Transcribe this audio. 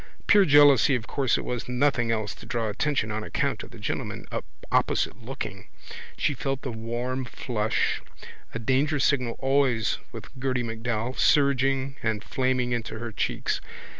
Pure jealousy of course it was nothing else to draw attention on account of the gentleman opposite looking. She felt the warm flush, a danger signal always with Gerty MacDowell, surging and flaming into her cheeks.